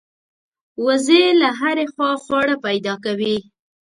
وزې له هرې خوا خواړه پیدا کوي